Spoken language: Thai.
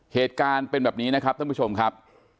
เหตุการณ์เป็นแบบนี้นะครับท่านผู้ชมครับ